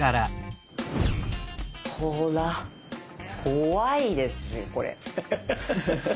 怖いですよこれ。